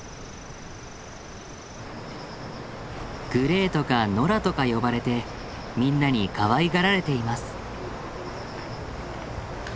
グレーとかノラとか呼ばれてみんなにかわいがられています。